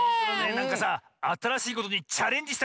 なんかさあたらしいことにチャレンジしたくなったよね。